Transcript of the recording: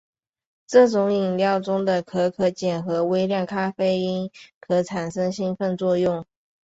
这种饮料中的可可碱和微量咖啡因可产生兴奋作用。